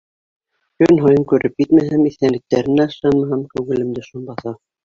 Көн һайын күреп китмәһәм, иҫәнлектәренә ышанмаһам, күңелемде шом баҫа.